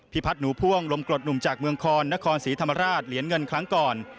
พัฒนหนูพ่วงลมกรดหนุ่มจากเมืองคอนนครศรีธรรมราชเหรียญเงินครั้งก่อน